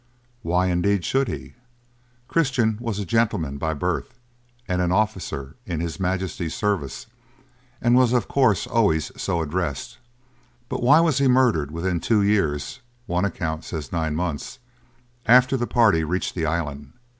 Why indeed should he? Christian was a gentleman by birth, and an officer in his Majesty's service, and was of course always so addressed. But why was he murdered within two years (one account says nine months) after the party reached the island?